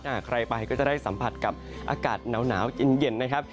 ถ้าใครไปก็จะได้สัมผัสกับอากาศหนาวเย็นนะครับ